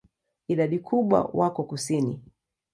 Idadi kubwa wako kusini.